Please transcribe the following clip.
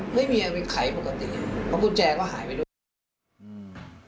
ไม่มีอะไรไขมันปกติเอากุญแจก็หายไปด้วย